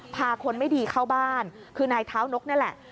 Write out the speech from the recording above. พาคนไม่ดีเข้าบ้านคือนายเท้านกนี่แหละ